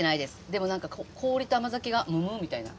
でもなんか氷と甘酒がムムッ！みたいな。